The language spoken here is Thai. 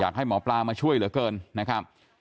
ให้หมอปลามาช่วยเหลือเกินนะครับ